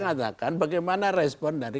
ngatakan bagaimana respon dari